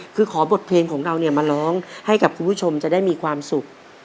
คือขอบทเพลงของเราเนี่ยมาร้องให้กับคุณผู้ชมจะได้มีความสุข